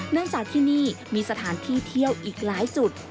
เนื่องจากที่นี่มีสถานที่เที่ยวอีกหลายจุด